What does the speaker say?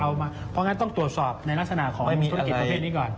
เพราะงั้นต้องตรวจสอบในลักษณะของธุรกิจประเภทนี้ก่อน